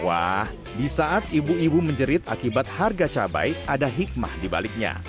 wah di saat ibu ibu menjerit akibat harga cabai ada hikmah dibaliknya